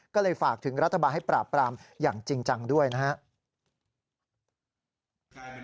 ก็เลยฝากถึงรัฐบาลให้ปราบปรามอย่างจริงจังด้วยนะครับ